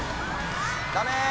ダメ！